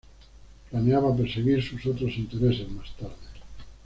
Planeaba perseguir sus otros intereses más tarde.